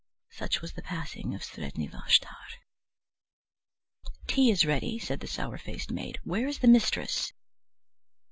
Such was the passing of Sredni Vashtar. "Tea is ready," said the sour faced maid; "where is the mistress?"